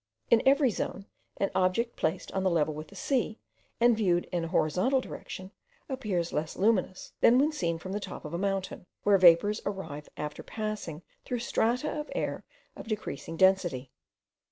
In every zone, an object placed on a level with the sea, and viewed in a horizontal direction, appears less luminous, than when seen from the top of a mountain, where vapours arrive after passing through strata of air of decreasing density.